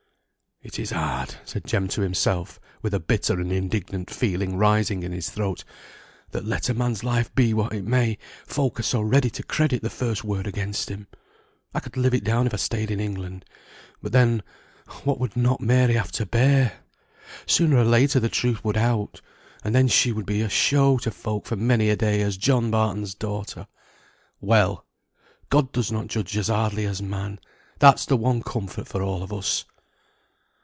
"It is hard," said Jem to himself, with a bitter and indignant feeling rising in his throat, "that let a man's life be what it may, folk are so ready to credit the first word against him. I could live it down if I stayed in England; but then what would not Mary have to bear? Sooner or later the truth would out; and then she would be a show to folk for many a day as John Barton's daughter. Well! God does not judge as hardly as man, that's one comfort for all of us!"